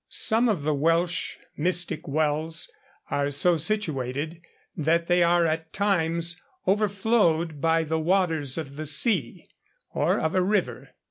Some of the Welsh mystic wells are so situated that they are at times overflowed by the waters of the sea, or of a river.